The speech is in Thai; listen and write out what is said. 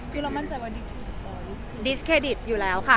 คือเรามั่นใจว่าดิสเครดิตดิสเครดิตอยู่แล้วค่ะ